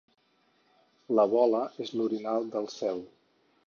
La Vola és l'orinal del cel.